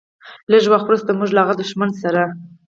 لږ وخت وروسته موږ له هغه دښمن سره.